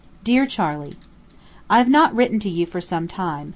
DEAR CHARLEY: I have not written you for some time.